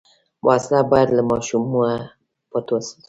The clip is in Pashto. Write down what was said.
وسله باید له ماشومه پټه وساتل شي